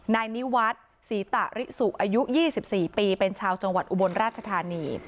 นายนิวัฒน์ศรีตะริสุอายุ๒๔ปีเป็นชาวจังหวัดอุบลราชธานี